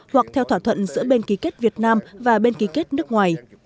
hoặc theo thỏa thuận giữa bên ký kết việt nam và bên ký kết nước ngoài